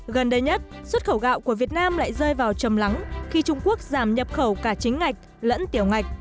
gần đây nhất xuất khẩu gạo của việt nam lại rơi vào chầm lắng khi trung quốc giảm nhập khẩu cả chính ngạch lẫn tiểu ngạch